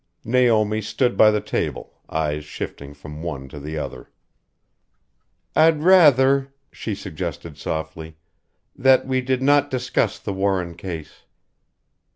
Naomi stood by the table, eyes shifting from one to the other. "I'd rather," she suggested softly, "that we did not discuss the Warren case."